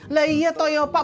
lah iya toh ya pak